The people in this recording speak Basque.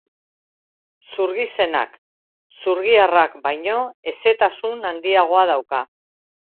Zurgizenak zurgiharrak baino hezetasun handiagoa dauka.